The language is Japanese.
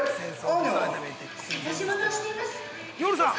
ヨルさん！